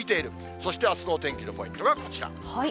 そしてあすのお天気のポイントがこちら。